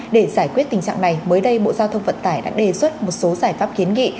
để giải quyết tình trạng này mới đây bộ giao thông vận tải đã đề xuất một số giải pháp kiến nghị